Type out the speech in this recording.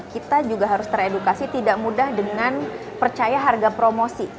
kita juga harus teredukasi tidak mudah dengan percaya harga promosi